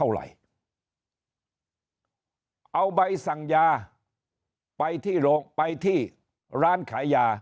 ต้องไม่รู้เท่าไหร่เอาใบสั่งยาไปที่โรงไปที่ร้านขายยา